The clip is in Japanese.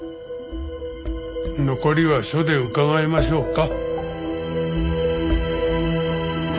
残りは署で伺いましょうか。